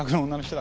だ